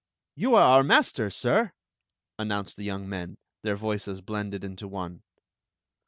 " You are our master, sir !" announced the young men, their voices blended into one.